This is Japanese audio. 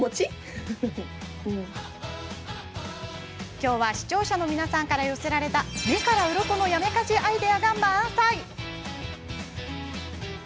きょうは視聴者の皆さんから寄せられた目からうろこのやめ家事アイデアが満載。